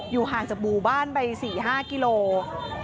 ห่างจากหมู่บ้านไป๔๕กิโลกรัม